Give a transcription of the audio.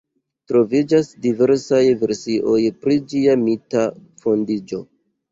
Troviĝas diversaj versioj pri ĝia mita fondiĝo.